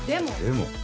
でも。